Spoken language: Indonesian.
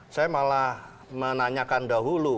saya malah menanyakan dahulu